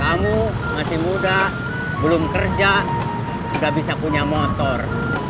kamu masih muda belum kerja tidak bisa punya motor